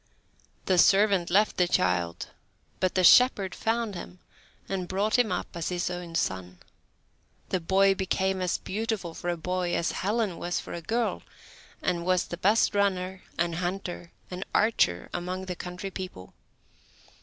The servant left the child, but a shepherd found him, and brought him up as his own son. The boy became as beautiful, for a boy, as Helen was for a girl, and was the best runner, and hunter, and archer among the country people.